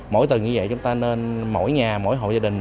mỗi tầng như vậy chúng ta nên mỗi nhà mỗi hộ gia đình